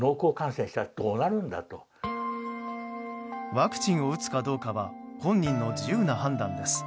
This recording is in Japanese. ワクチンを打つかどうかは本人の自由な判断です。